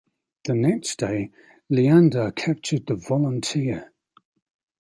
The next day "Leander" captured the "Volunteer".